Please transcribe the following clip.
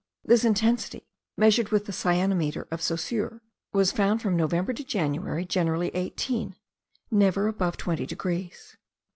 This intensity, measured with the cyanometer of Saussure, was found from November to January generally 18, never above 20 degrees.